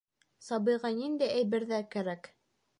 Сабыйға ниндәй әйберҙәр кәрәк?